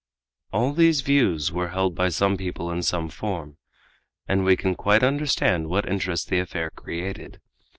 All these views were held by some people in some form, and we can quite understand what interest the affair created.